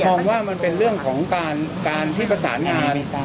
มองว่ามันเป็นเรื่องของการที่ประสานงาน